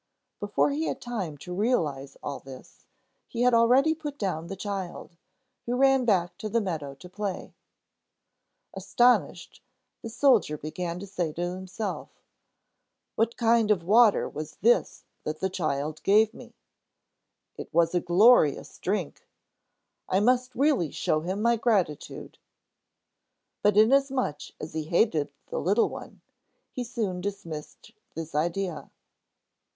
Before he had time to realize all this, he had already put down the child, who ran back to the meadow to play. Astonished, the soldier began to say to himself: "What kind of water was this that the child gave me? It was a glorious drink! I must really show him my gratitude." But inasmuch as he hated the little one, he soon dismissed this idea.